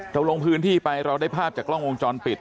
เราลงพื้นที่ไปเราได้ภาพจากกล้องวงจรปิด